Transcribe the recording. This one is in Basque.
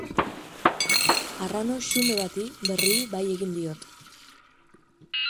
Arrano xume bati, berri, bai egin diot.